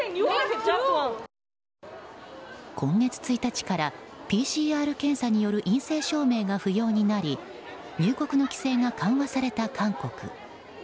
今月１日からＰＣＲ検査による陰性証明が不要になり入国の規制が緩和された韓国。